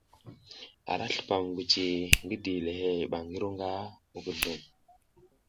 Ara slupam ngwici ngi dilihey ba ngi ru nga muguzlum.